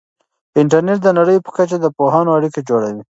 انټرنیټ د نړۍ په کچه د پوهانو اړیکه جوړوي.